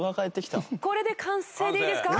これで完成でいいですか。